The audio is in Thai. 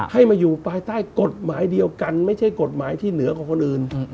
ให้มาอยู่ภายใต้กฎหมายเดียวกันไม่ใช่กฎหมายที่เหนือกว่าคนอื่น